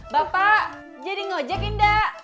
bapak jadi ngejek enggak